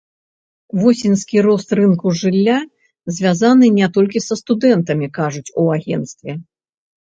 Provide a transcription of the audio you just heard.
Восеньскі рост рынку жылля звязаны не толькі са студэнтамі, кажуць у агенцтве.